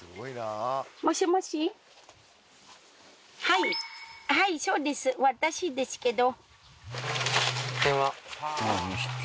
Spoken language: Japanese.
はいはいそうです私ですけど